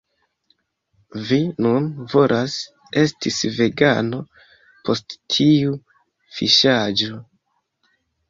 Vi nun volas esti vegano post tiu fiŝaĵo